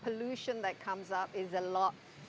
peluang yang muncul adalah lebih bersih